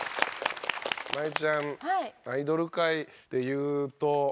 真佑ちゃんアイドル界でいうと。